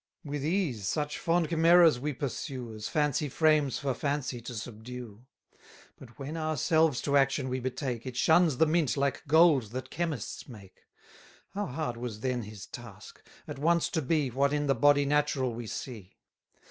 With ease such fond chimeras we pursue, As fancy frames for fancy to subdue: 160 But when ourselves to action we betake, It shuns the mint like gold that chemists make. How hard was then his task! at once to be, What in the body natural we see!